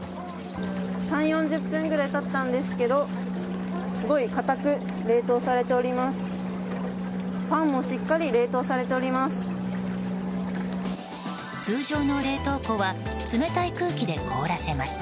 ３０４０分ぐらい経ったんですけどすごい硬く冷凍されております。